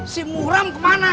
si muram kemana